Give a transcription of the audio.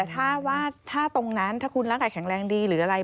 ถ้าว่าถ้าตรงนั้นถ้าคุณร่างกายแข็งแรงดีหรืออะไร